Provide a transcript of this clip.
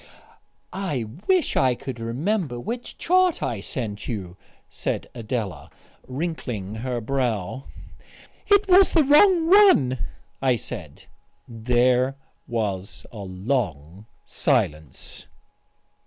"I wish I could remember which chart I sent you," said Adela, wrinkling her brow. "It was the wrong one," I said.... There was a long silence.